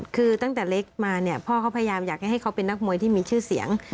คือตั้งแต่เล็กมาเนี่ยพ่อเขาพยายามอยากให้เขาเป็นนักมวยที่มีชื่อเสียง